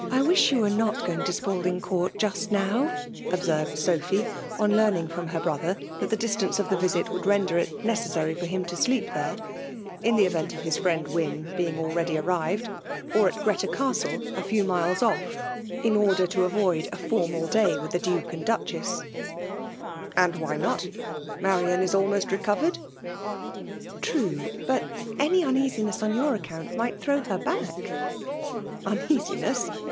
I ynA you were not going to Spalding Court, just now," observed Sophy, on learning from her broiher that the distance of the visit wouM' render it necessary for him to sleep thete, in the event of his friend Wyn being already arrived; or at Greta Castle, a few B 3 V9 10 / VBMaVE DOMlN^rriON. fldles off, in otdiss to aTcId a formal day Trith tke Duke and Duchefla. ''And why not?— Maorian is alniost nooo vered." «' True — but any uneasiness on your aocomst might thzow her back/* €< Uneasiness